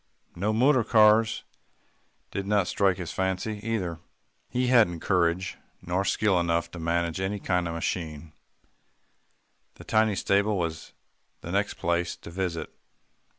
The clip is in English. No, motor cars did not strike his fancy, either. He hadn't courage, nor skill enough to manage any kind of a machine. The tiny stable was the next place to visit.